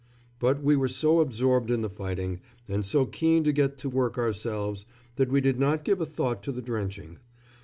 But we were so absorbed in the fighting, and so keen to get to work ourselves, that we did not give a thought to the drenching.